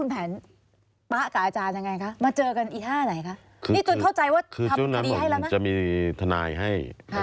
ผมจะมีทนายให้